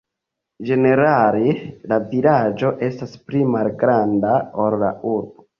Ĝenerale la vilaĝo estas pli malgranda, ol la urbo.